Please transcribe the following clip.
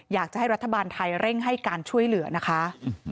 อยากจะให้รัฐบาลไทยเร่งให้การช่วยเหลือนะคะ